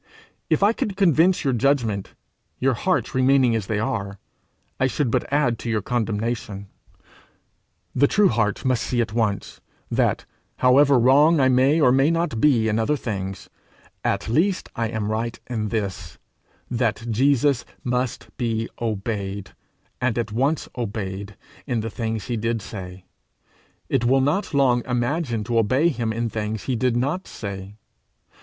If I could convince your judgment, your hearts remaining as they are, I should but add to your condemnation. The true heart must see at once, that, however wrong I may or may not be in other things, at least I am right in this, that Jesus must be obeyed, and at once obeyed, in the things he did say: it will not long imagine to obey him in things he did not say.